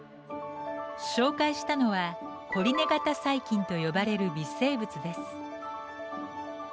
紹介したのは「コリネ型細菌」と呼ばれる微生物です。